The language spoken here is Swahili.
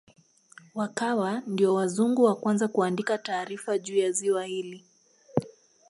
Wakawa ndio wazungu wa kwanza kuandika taarifa juu ya ziwa hili